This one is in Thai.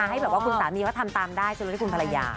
ให้แบบว่าคุณสามีว่าทำตามได้จะรู้ที่คุณภรรยา